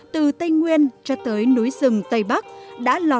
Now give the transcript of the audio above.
từ tây nguyên cho tới việt nam